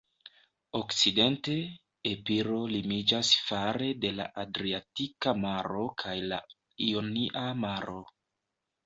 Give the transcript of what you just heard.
Okcidente, Epiro limiĝas fare de la Adriatika Maro kaj la Ionia Maro.